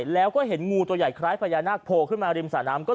แล้วก็เห็นงูตัวใหญ่คล้ายพญานาคโผล่ขึ้นมาริมสระน้ำ